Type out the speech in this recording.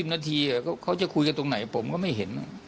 นาทีเขาจะคุยกันตรงไหนผมก็ไม่เห็น